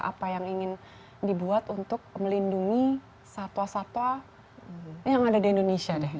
apa yang ingin dibuat untuk melindungi satwa satwa yang ada di indonesia deh